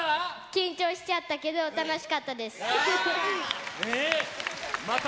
緊張しちゃったけど楽しかったです。